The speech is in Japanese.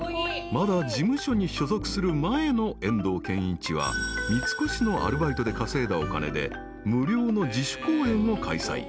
［まだ事務所に所属する前の遠藤憲一は三越のアルバイトで稼いだお金で無料の自主公演を開催］